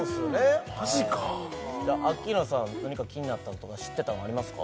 マジかアッキーナさん何か気になったのとか知ってたのありますか？